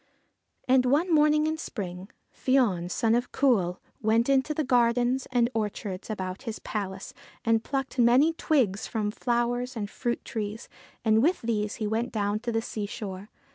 And, one morning in spring, Fion, son of Cumhail, went into the gardens and orchards about his palace and plucked many twigs from flowers and fruit trees, and with these he went down to the seashore.